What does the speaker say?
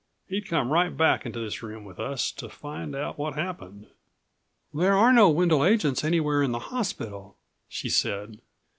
He'd come right back into this room with us, to find out what happened." "There are no Wendel agents anywhere in the hospital," she said.